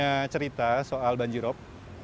ada banyak cerita soal banjirob